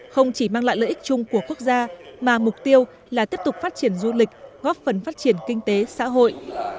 không chỉ mang lại lợi ích chung của quốc gia mà mục tiêu là tiếp tục phát triển du lịch góp phần phát triển kinh tế xã hội